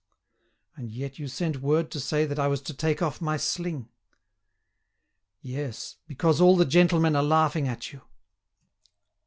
"And yet you sent word to say that I was to take off my sling!" "Yes; because all the gentlemen are laughing at you."